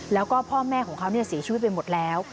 แล้วก็พ่อแม่ของเขาเสียชีวิตไปหมดแล้ว